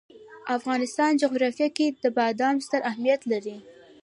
د افغانستان جغرافیه کې بادام ستر اهمیت لري.